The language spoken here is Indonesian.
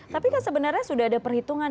tapi kan sebenarnya sudah ada perhitungan